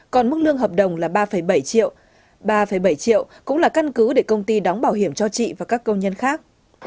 còn mức lương hợp đồng là ba bảy triệu ba bảy triệu cũng là căn cứ để công ty đóng bảo hiểm cho chị và các công nhân khác